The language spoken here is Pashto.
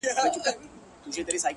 • دعا ؛ دعا ؛دعا ؛ دعا كومه؛